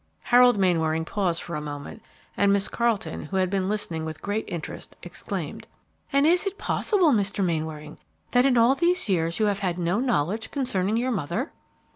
Harold Mainwaring paused for a moment, and Miss Carleton, who had been listening with great interest, exclaimed, "And is it possible, Mr. Mainwaring, that, in all these years, you have had no knowledge concerning your mother?"